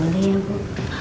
boleh ya bu